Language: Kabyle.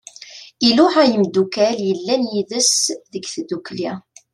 Iluɛa i yimddukal yellan yid-s deg tddukli.